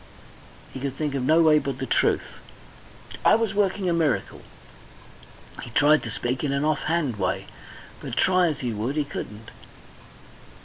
He could think of no way but the truth. "I was working a miracle." He tried to speak in an off hand way, but try as he would he couldn't.